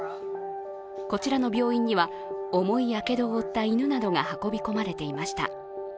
こちらの病院には、重いやけどを負った犬などが運び込まれていました。